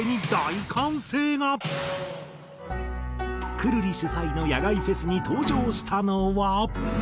くるり主催の野外フェスに登場したのは。